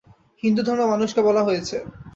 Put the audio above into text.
হিন্দু ধর্মে মানুষকে বলা হয়েছে।